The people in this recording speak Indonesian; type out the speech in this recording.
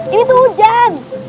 ini tuh hujan